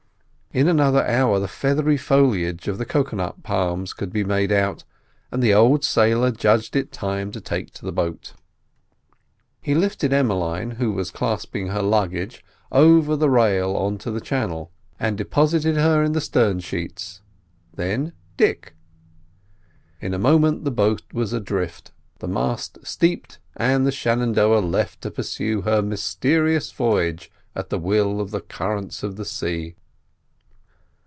In another hour the feathery foliage of the cocoa nut palms could be made out, and the old sailor judged it time to take to the boat. He lifted Emmeline, who was clasping her luggage, over the rail on to the channel, and deposited her in the stern sheets; then Dick. In a moment the boat was adrift, the mast stepped, and the Shenandoah left to pursue her mysterious voyage at the will of the currents of the sea.